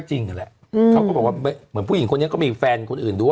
จริงนั่นแหละเขาก็บอกว่าเหมือนผู้หญิงคนนี้ก็มีแฟนคนอื่นด้วย